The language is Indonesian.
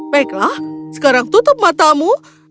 baiklah sekarang tutup matamu